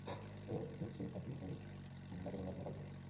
ও ঠিক সেই একই সনিক যাকে তোমরা একসময় জানতে।